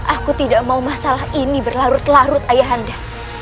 aku tidak mau masalah ini berlarut larut ayande